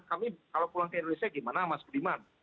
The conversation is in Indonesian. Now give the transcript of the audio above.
kami kalau pulang ke indonesia gimana mas budiman